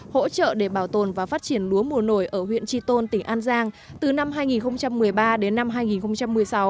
hỗ trợ để bảo tồn và phát triển lúa mùa nổi ở huyện tri tôn tỉnh an giang từ năm hai nghìn một mươi ba đến năm hai nghìn một mươi sáu